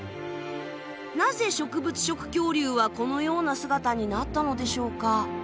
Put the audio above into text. なぜ植物食恐竜はこのような姿になったのでしょうか。